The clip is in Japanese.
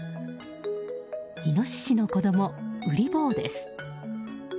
イノシシの子供、ウリ坊です。